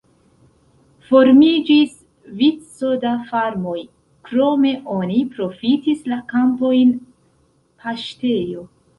Formiĝis vico da farmoj, krome oni profitis la kampojn paŝtejo.